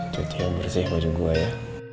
cetia bersih baju gue ya